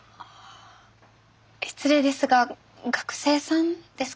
失礼ですが学生さんですか？